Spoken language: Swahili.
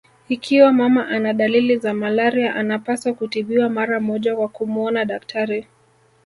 Ikiwa mama ana dalili za malaria anapaswa kutibiwa mara moja kwa kumuona daktari